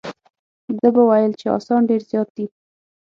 ده به ویل چې اسان ډېر زیات دي.